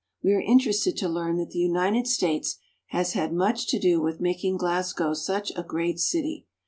We are interested to learn that the United States has had much to do with making Glasgow such a great city.